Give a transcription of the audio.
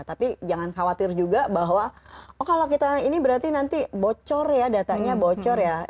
tapi jangan khawatir juga bahwa oh kalau kita ini berarti nanti bocor ya datanya bocor ya